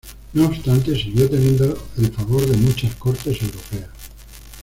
No obstante, siguió teniendo el favor de muchas cortes europeas.